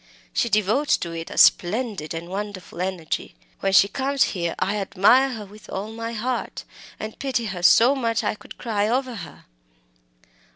She devotes to it a splendid and wonderful energy. When she comes here I admire her with all my heart, and pity her so much that I could cry over her!"